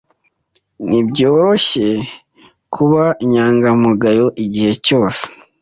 Ntibyoroshye kuba inyangamugayo igihe cyose.